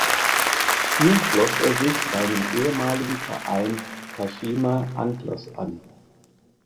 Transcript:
Hier schloss er sich seinem ehemaligen Verein Kashima Antlers an.